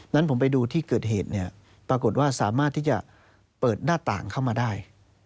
นั้นผมไปดูที่เกิดเหตุเนี่ยปรากฏว่าสามารถที่จะเปิดหน้าต่างเข้ามาได้